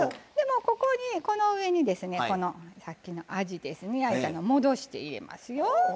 この上にですねこのさっきのあじですね焼いたのを戻して入れますよ。